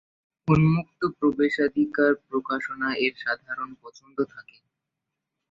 উন্মুক্ত প্রবেশাধিকার প্রকাশনা এর সাধারণ পছন্দ থাকে।